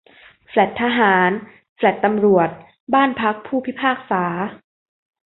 แฟลตทหาร แฟลตตำรวจ บ้านพักผู้พิพากษา